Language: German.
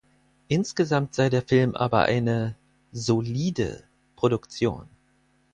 Insgesamt sei der Film aber eine „solide“ Produktion.